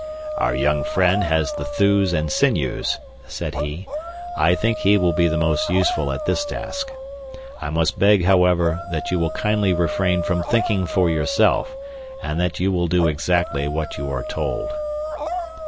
"Our young friend has the thews and sinews," said he. "I think he will be the most useful at this task. I must beg, however, that you will kindly refrain from thinking for yourself, and that you will do exactly what you are told."